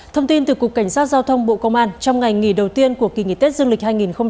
thông tin từ cục cảnh sát giao thông bộ công an trong ngày nghỉ đầu tiên của kỳ nghỉ tết dương lịch hai nghìn hai mươi bốn